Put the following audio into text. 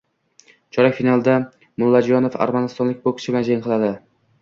Chorak finalda Mullajonov armanistonlik bokschi bilan jang qiladi